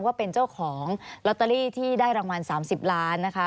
ว่าเป็นเจ้าของลอตเตอรี่ที่ได้รางวัล๓๐ล้านนะคะ